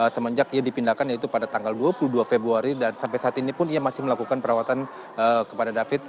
semenjak ia dipindahkan yaitu pada tanggal dua puluh dua februari dan sampai saat ini pun ia masih melakukan perawatan kepada david